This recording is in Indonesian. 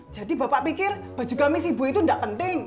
jadi bapak pikir baju gamis ibu itu nggak penting